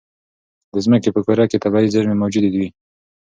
د ځمکې په کوره کې طبیعي زېرمې موجودې وي.